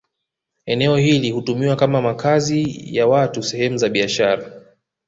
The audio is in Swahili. Eneo hili hutumiwa kama makazi ya watu sehemu za biashara